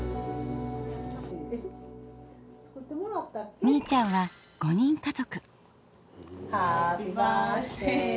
みいちゃんは５人家族。